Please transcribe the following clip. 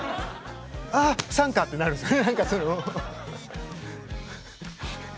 ああっ「ＳＵＮ」かってなるんですよね。